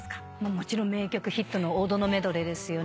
もちろん名曲ヒットの王道のメドレーですよね。